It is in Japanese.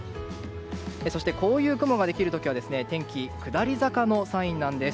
そして、こういう雲ができる時は天気、下り坂のサインなんです。